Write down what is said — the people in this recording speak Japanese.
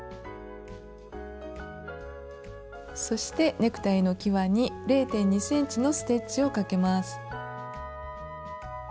そしてネクタイのきわに０．２ｃｍのステッチをかけます。